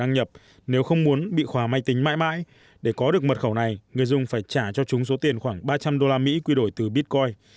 nếu không muốn bị khóa máy tính mãi mãi để có được mật khẩu này người dùng phải trả cho chúng số tiền khoảng ba trăm linh usd quy đổi từ bitcoin